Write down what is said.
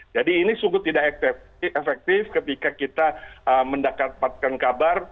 jadi ini sungguh tidak efektif ketika kita mendapatkan kabar